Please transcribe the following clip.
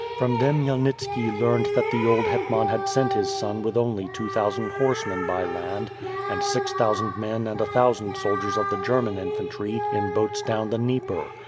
From them Khmyelnitski learned that the old hetman had sent his son with only two thousand horse men by land, and six thousand men and a thousand soldiers of the German infantry in boats down the Dnieper.